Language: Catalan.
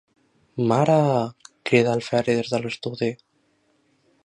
Maaaareee! –cridà el Ferri des de l'estudi–.